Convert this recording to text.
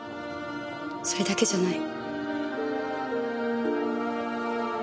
それだけじゃない。